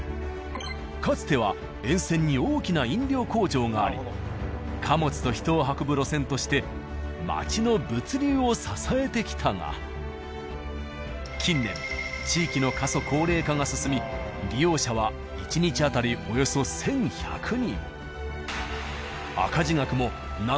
かつては沿線に大きな飲料工場があり貨物と人を運ぶ路線として町の物流を支えてきたが近年地域の過疎高齢化が進み利用者は１日当たりおよそ１，１００人。